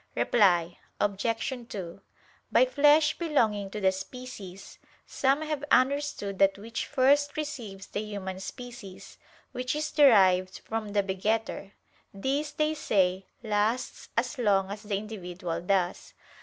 Reply Obj. 2: By flesh belonging to the species, some have understood that which first receives the human species, which is derived from the begetter: this, they say, lasts as long as the individual does.